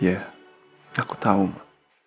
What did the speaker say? ya aku tahu ma